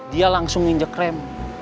dia langsung nginjek rem